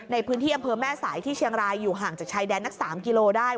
ในพื้นที่อำเภอแม่สายที่เชียงรายอยู่ห่างจากชายแดนนัก๓กิโลได้